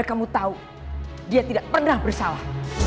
kamu tahu dia tidak pernah bersalah